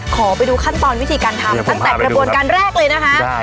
ขอไปดูขั้นตอนวิธีการทำตั้งแต่กระบวนการแรกเลยนะคะ